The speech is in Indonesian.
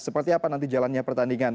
seperti apa nanti jalannya pertandingan